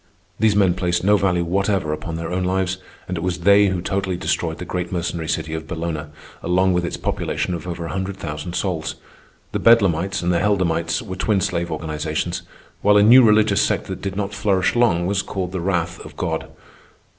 These men placed no value whatever upon their own lives, and it was they who totally destroyed the great Mercenary city of Bellona along with its population of over a hundred thousand souls. The Bedlamites and the Helldamites were twin slave organizations, while a new religious sect that did not flourish long was called The Wrath of God.